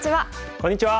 こんにちは。